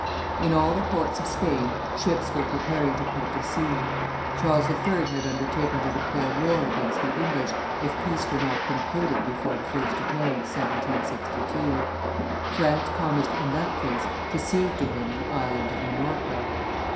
In all the ports of Spain ships were preparing to put to sea. Charles III. had undertaken to declare war against the English if peace were not concluded before the 1st of May, 1762. France promised in that case to cede to him the Island of Minorca.